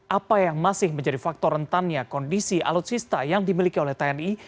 apa yang masih menjadi faktor rentannya kondisi alutsista yang dimiliki oleh tni